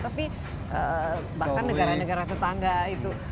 tapi bahkan negara negara tetangga itu